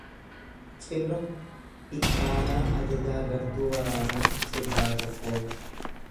Cibra ittaanaa ajajaa gartuu waraana cibraa tokkoo.